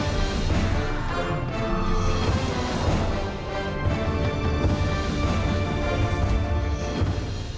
เพราะฉะนั้นทุกช็อตเขาจะไม่ละเว้นการปฏิบัติหน้าที่ในการเก็บคะแนน